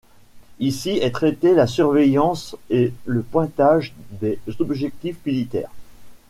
Ici est traité la surveillance et le pointage des objectifs militaire.